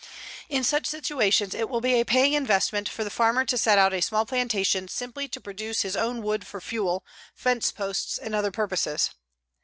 In such situations it will be a paying investment for the farmer to set out a small plantation simply to produce his own wood for fuel, fence posts and other purposes.